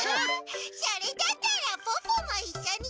それだったらポッポもいっしょにやりたい！